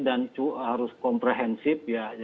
dan harus komprehensif ya